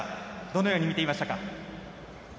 どのように見ていましたか。